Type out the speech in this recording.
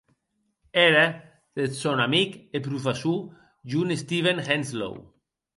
Ère deth sòn amic e professor John Steven Henslow.